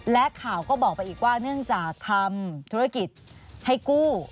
และข่าวก็บอกไปอีกว่าเนื่องจากทำธุรกิจให้กู้